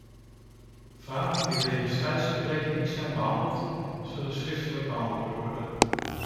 Vragen die wegens tijdgebrek niet zijn behandeld, zullen schriftelijk beantwoord worden.